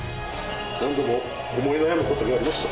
何度も思い悩むことがありました。